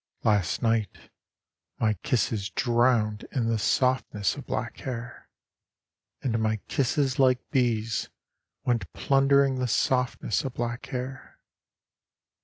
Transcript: —Last night my kisses drowned in the softness of black hair. And my kisses like bees went plundering the softness of black hair.